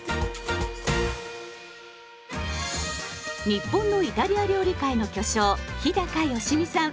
日本のイタリア料理界の巨匠日良実さん。